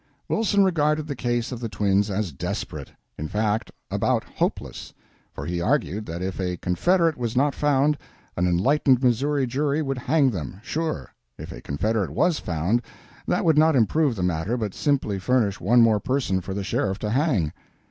Wilson regarded the case of the twins as desperate in fact, about hopeless. For he argued that if a confederate was not found, an enlightened Missouri jury would hang them, sure; if a confederate was found, that would not improve the matter, but simply furnish one more person for the sheriff to hang.